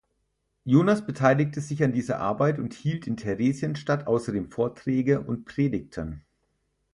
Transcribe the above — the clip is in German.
Jonas beteiligte sich an dieser Arbeit und hielt in Theresienstadt außerdem Vorträge und Predigten.